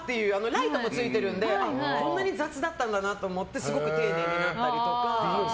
ライトもついているのでこんなに雑だったんだなと思ってすごく丁寧になったり。